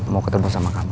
mau ketemu sama kamu